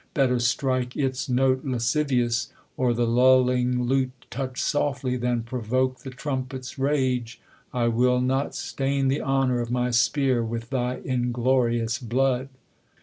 Better strike Its note lascivious, or the lulling lute Touch softly, than provoke the trumpet's rage. I will not stain the honor of my spear With thy inglorious blood.